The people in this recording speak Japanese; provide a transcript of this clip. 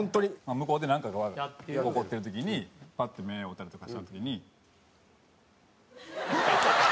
向こうでなんかが起こってる時にパッと目合うたりとかした時に。